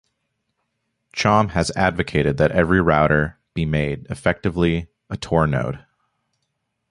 Chaum has advocated that every router be made, effectively, a Tor node.